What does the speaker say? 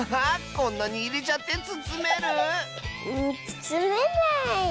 こんなにいれちゃってつつめる⁉つつめない。